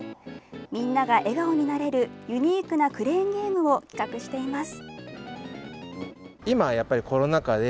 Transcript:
みんなが笑顔になれるユニークなクレーンゲームを企画しています。